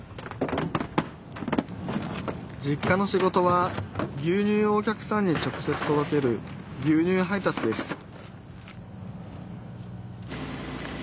実家の仕事は牛乳をお客さんに直接とどける牛乳配達です